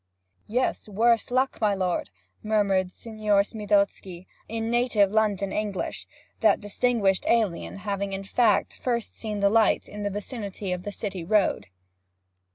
'Yes, worse luck, my lord!' murmured Signor Smithozzi, in native London English, that distinguished alien having, in fact, first seen the light in the vicinity of the City Road.